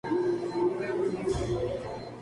Esta ciudad forma su propio Distrito Electoral.